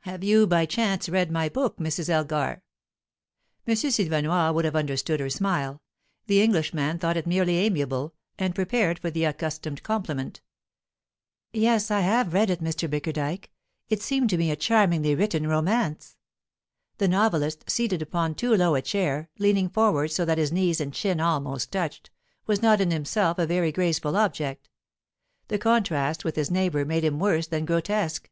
"Have you, by chance, read my book, Mrs. Elgar?" M. Silvenoire would have understood her smile; the Englishman thought it merely amiable, and prepared for the accustomed compliment. "Yes, I have read it, Mr. Bickerdike. It seemed to me a charmingly written romance." The novelist, seated upon too low a chair, leaning forward so that his knees and chin almost touched, was not in himself a very graceful object; the contrast with his neighbour made him worse than grotesque.